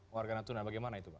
warga natuna bagaimana itu pak